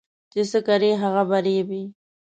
چي څه کرې ، هغه به رېبې.